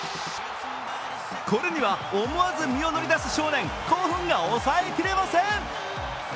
これには思わず身を乗り出す少年、興奮が抑えきれません。